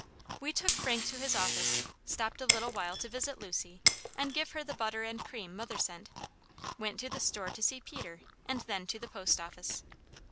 We took Frank to his office, stopped a little while to visit Lucy, and give her the butter and cream mother sent, went to the store to see Peter, and then to the post office.